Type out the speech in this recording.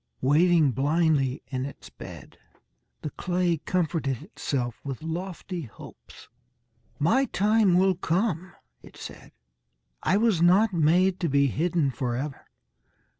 Waiting blindly in its bed, the clay comforted itself with lofty hopes. "My time will come," it said. "I was not made to be hidden forever.